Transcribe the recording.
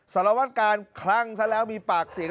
สารวัตการคลั่งซะแล้วมีปากเสียง